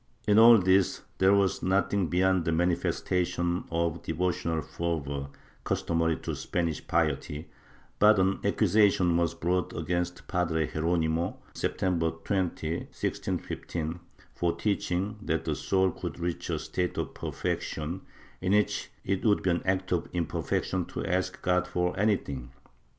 In all this there was nothing beyond the manifestations of devo tional fervor customary to Spanish piety, but an accusation was brought against Padre Geronimo, September 20, 1615, for teaching that the soul could reach a state of perfection in which it would be an act of imperfection to ask God for anything.